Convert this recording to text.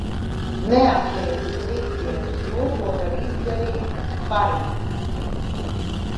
Neatliec uz r?tdienu to, ko var izdar?t par?t.